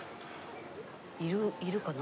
いるかな？